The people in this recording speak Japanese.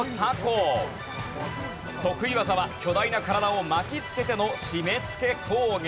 得意技は巨大な体を巻きつけての締めつけ攻撃。